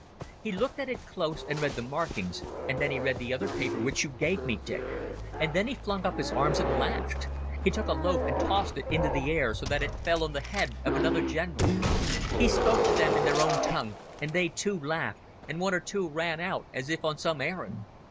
"He looked at it close and read the markings, and then he read the other paper which you gave me, Dick. And then he flung up his arms and laughed. He took a loaf and tossed it into the air so that it fell on the head of another general. He spoke to them in their own tongue, and they, too, laughed, and one or two ran out as if on some errand.